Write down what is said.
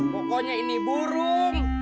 pokoknya ini burung